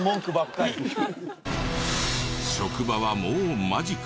職場はもう間近。